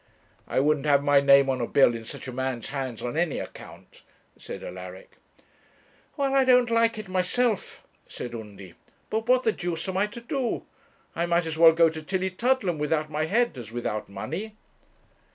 'I wouldn't have my name on a bill in such a man's hands on any account,' said Alaric. 'Well, I don't like it myself,' said Undy; 'but what the deuce am I to do? I might as well go to Tillietudlem without my head as without money.'